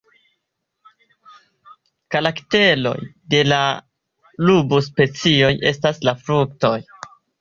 Karakteroj de la rubus-specioj estas la fruktoj.